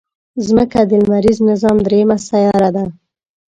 مځکه د لمریز نظام دریمه سیاره ده.